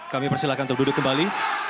kami persilahkan untuk duduk kembali